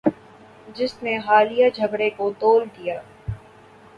جس نے حالیہ جھگڑے کو طول دیا